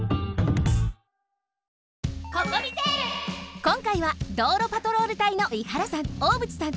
こんかいは道路パトロール隊の伊原さん大渕さん。